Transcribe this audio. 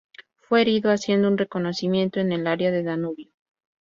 Fue herido haciendo un reconocimiento en el área del Danubio.